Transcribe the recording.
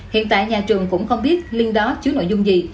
hiện tại nhà trường cũng không biết lin đó chứa nội dung gì